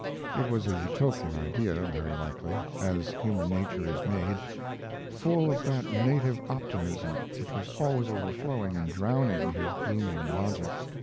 It was a Utopian idea, very likely, as human nature is made; full of that native optimism which was always overflowing and drowning his gloomier logic.